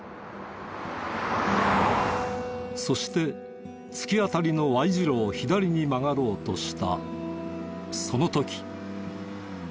そして突き当たりのＹ字路を左に曲がろうとしたその時。